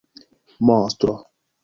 monstro